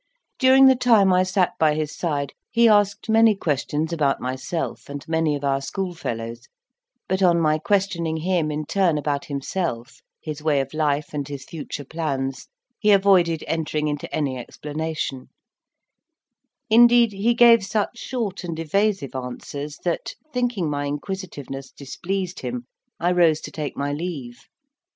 During the time I sat by his side he asked many questions about myself and many of our schoolfellows; but on my questioning him in turn about himself, his way of life, and his future plans, he avoided entering into any explanation: indeed, he gave such short and evasive answers, that, thinking my inquisitiveness displeased him, I rose to take my leave.